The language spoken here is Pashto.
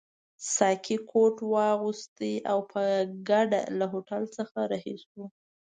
ساقي کوټ واغوست او په ګډه له هوټل څخه رهي شوو.